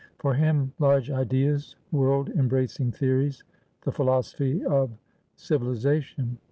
For him, large ideas, world embracing theories, the philosophy of civilisation.